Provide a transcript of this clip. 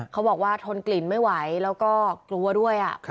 เขาบอกว่าทนกลิ่นไม่ไหว